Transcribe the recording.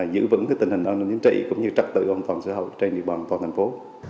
giữ vững tình hình an ninh trật tự trật tự an toàn xã hội trên địa bàn an toàn thành phố